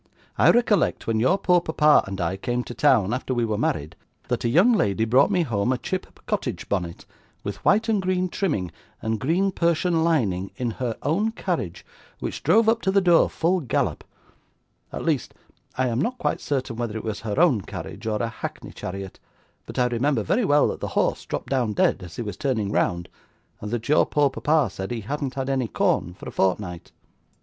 'I recollect when your poor papa and I came to town after we were married, that a young lady brought me home a chip cottage bonnet, with white and green trimming, and green persian lining, in her own carriage, which drove up to the door full gallop; at least, I am not quite certain whether it was her own carriage or a hackney chariot, but I remember very well that the horse dropped down dead as he was turning round, and that your poor papa said he hadn't had any corn for a fortnight.